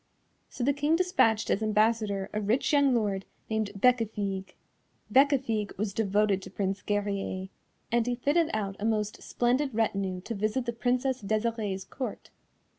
So the King despatched as ambassador a rich young lord named Bécafigue. Bécafigue was devoted to Prince Guerrier, and he fitted out a most splendid retinue to visit the Princess Desirée's Court.